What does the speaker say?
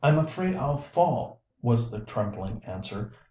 ] "I I'm afraid I'll fall," was the trembling answer.